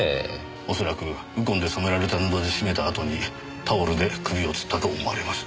おそらくウコンで染められた布で絞めたあとにタオルで首を吊ったと思われます。